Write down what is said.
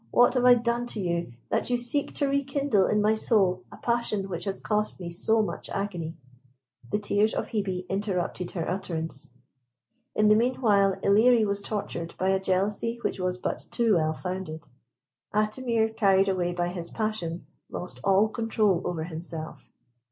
"What have I done to you that you seek to rekindle in my soul a passion which has cost me so much agony?" The tears of Hebe interrupted her utterance. In the meanwhile Ilerie was tortured by a jealousy which was but too well founded. Atimir, carried away by his passion, lost all control over himself.